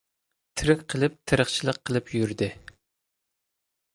تىرىك قېلىپ، تېرىقچىلىق قىلىپ يۈردى.